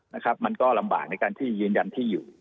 นะครับมันก็ลำบากในการที่ยืนยันที่อยู่